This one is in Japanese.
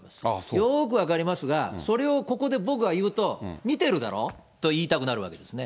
よーく分かりますが、それをここで僕が言うと、見てるだろうと言いたくなるわけですね。